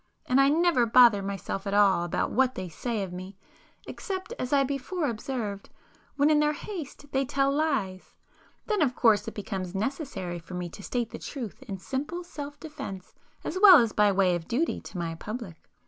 And I never bother myself at all about what they say of me, except as I before observed, when in their haste they tell lies,—then of course it becomes necessary for me to state the truth in simple self defence as well as by way of duty to my public.